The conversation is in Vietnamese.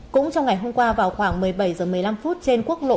cũng trong ngày hôm qua vào khoảng một mươi bảy h một mươi năm phút trên quốc lộ một